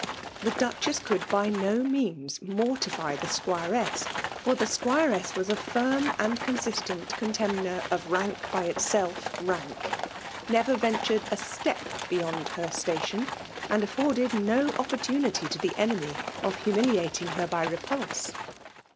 The Duchess co«ld by no means mortify the 'Squiress ; for the 'Squiress was a firm and consistent contemner of rank by itself rank — never ventured a step beyond her station^ and afforded no opportu* nity to the enemy of humiliating her by re pulse.